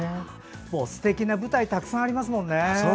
すてきな舞台がたくさんありますもんね。